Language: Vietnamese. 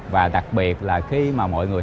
và đặc biệt là khi mà mọi người